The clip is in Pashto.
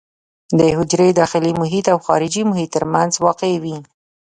د حجرې داخلي محیط او خارجي محیط ترمنځ واقع وي.